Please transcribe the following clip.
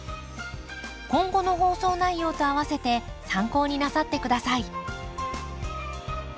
今後の放送内容とあわせて参考になさって下さい。